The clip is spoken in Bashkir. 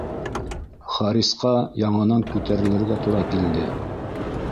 Харисҡа яңынан күтәрелергә тура килде